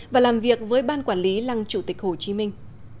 và làm việc với ban quản lý lăng chủ tịch hồ chí minh